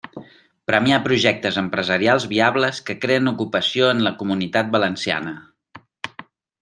Premiar projectes empresarials viables que creen ocupació en la Comunitat Valenciana.